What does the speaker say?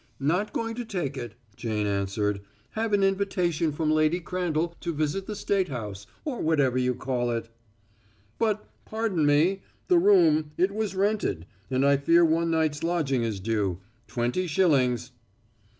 "Not going to take it," Jane answered. "Have an invitation from Lady Crandall to visit the State House, or whatever you call it." "But, pardon me. The room it was rented, and I fear one night's lodging is due. Twenty shillings."